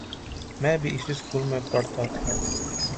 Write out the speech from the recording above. میں بھی اسی سکول میں پڑھتا تھا۔